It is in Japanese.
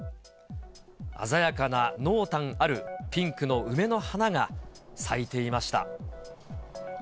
鮮やかな濃淡あるピンクの梅の花が咲いていました。